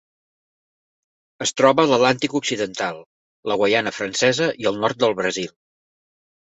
Es troba a l'Atlàntic occidental: la Guaiana Francesa i el nord del Brasil.